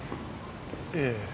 ええ。